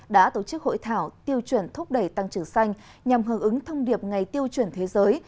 đã tổ chức hội thảo tiêu chuẩn thúc đẩy tăng trưởng xanh nhằm hợp ứng thông điệp ngày tiêu chuẩn thế giới